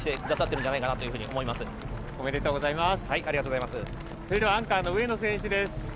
では続いてアンカーの上野選手です。